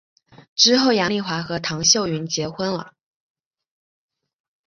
之后杨棣华和汤秀云结婚了。